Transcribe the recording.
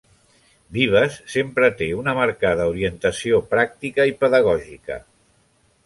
Vives sempre té una marcada orientació pràctica i pedagògica.